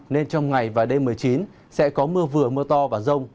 nên trong ngày và đêm một mươi chín sẽ có mưa vừa mưa to và rông